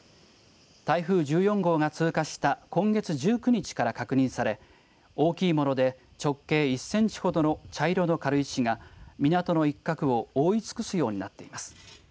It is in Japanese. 台風１４号が通過した今月１９日から確認され大きいもので直径１センチほどの茶色の軽石が港の一角を覆い尽くすようになっています。